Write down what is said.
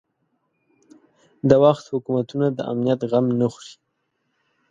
د وخت حکومتونه د امنیت غم نه خوري.